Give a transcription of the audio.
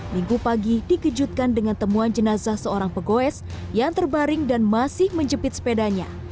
minggu pagi dikejutkan dengan temuan jenazah seorang pegoes yang terbaring dan masih menjepit sepedanya